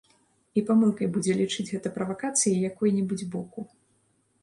І памылкай будзе лічыць гэта правакацыяй якой-небудзь боку.